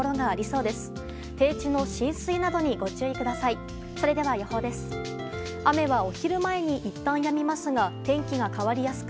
それでは予報です。